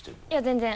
全然。